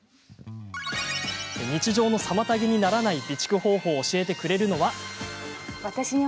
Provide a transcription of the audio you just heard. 日常の妨げにならない備蓄方法を教えてくれるのは。